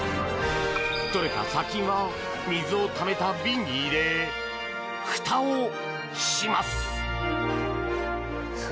とれた砂金は水をためた瓶に入れふたをします。